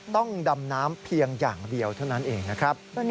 ต้องดำน้ำเพียงอย่างเดียวเท่านั้นเองนะครับ